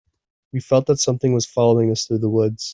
We felt that something was following us through the woods.